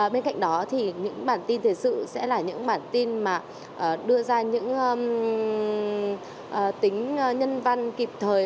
bên cạnh đó thì những bản tin thời sự sẽ là những bản tin mà đưa ra những tính nhân văn kịp thời